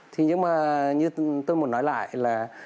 thì nhưng mà như tôi muốn nói lại là